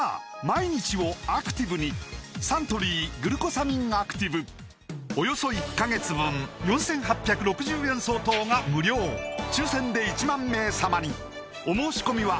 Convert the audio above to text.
毎日をアクティブにおよそ１カ月分４８６０円相当が無料抽選で１万名様にお申し込みは